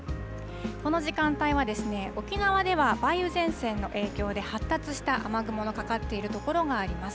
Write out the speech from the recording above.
この時間帯は、沖縄では梅雨前線の影響で発達した雨雲のかかっている所があります。